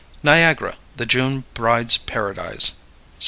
Niagara, the June Bride's Paradise.